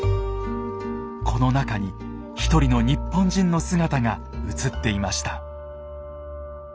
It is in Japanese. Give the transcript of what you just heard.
この中に一人の日本人の姿が写っていました。